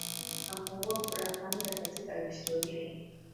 afungua ukurasa mpya katika historia